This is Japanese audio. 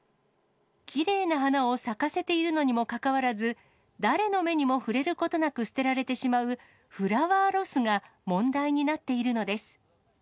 きれいな花を咲かせているのにもかかわらず、誰の目にも触れることなく捨てられてしまう、フラワーロスが問題になっているのです。